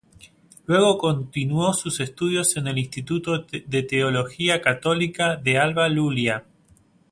Luego continuó sus estudios en el Instituto de teología católica de Alba Iulia.